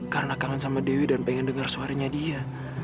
karena kangen sama dewi dan pengen dengar suaranya dia